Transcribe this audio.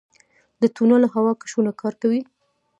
د تونل هوا کشونه کار کوي؟